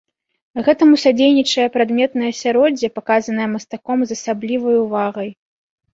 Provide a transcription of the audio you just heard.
Гэтаму садзейнічае прадметнае асяроддзе, паказанае мастаком з асаблівай увагай.